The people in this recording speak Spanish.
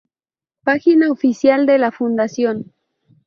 Página oficial de la fundación